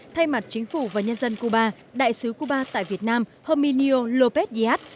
thay mặt chính phủ và nhân dân cuba đại sứ cuba tại việt nam hominio lopez díaz